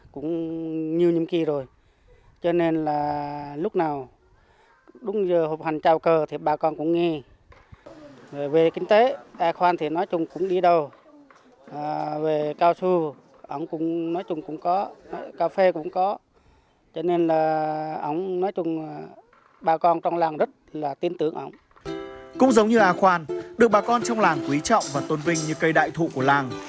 cũng giống như a khoan được bà con trong làng quý trọng và tôn vinh như cây đại thụ của làng